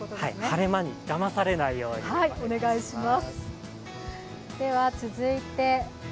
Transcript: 晴れ間にだまされないようにお願いします。